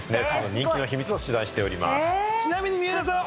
人気の秘密を取材しております。